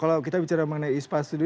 kalau kita bicara mengenai ispas itu